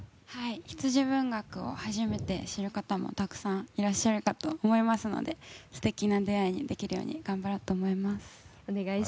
羊文学を初めて知る方もたくさんいらっしゃるかと思いますので素敵な出会いにできるように頑張ろうと思います。